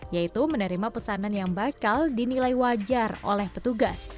yaitu menerima pesanan yang bakal dinilai wajar oleh petugas